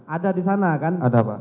ada di sana kan